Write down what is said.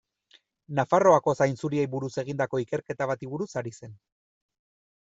Nafarroako zainzuriei buruz egindako ikerketa bati buruz ari zen.